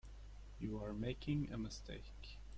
You are making a mistake.